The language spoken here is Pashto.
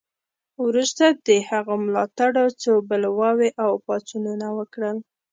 وروسته د هغه ملاتړو څو بلواوې او پاڅونونه وکړل.